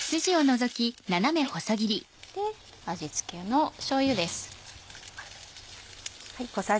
味付けのしょうゆです。